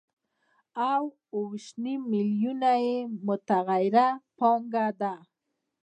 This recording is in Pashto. او اوه ویشت نیم میلیونه یې متغیره پانګه ده